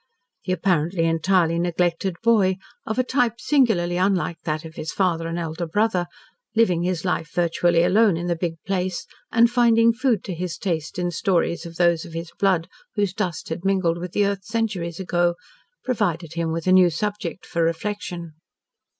The apparently entirely neglected boy, of a type singularly unlike that of his father and elder brother, living his life virtually alone in the big place, and finding food to his taste in stories of those of his blood whose dust had mingled with the earth centuries ago, provided him with a new subject for reflection.